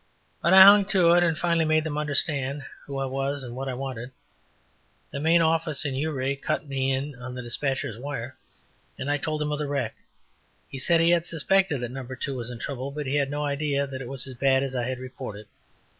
But I hung to it and finally made them understand who I was and what I wanted. The main office in Ouray cut me in on the despatcher's wire and I told him of the wreck. He said he had suspected that No. 2. was in trouble, but he had no idea that it was as bad as I had reported.